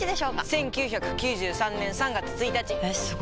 １９９３年３月１日！えすご！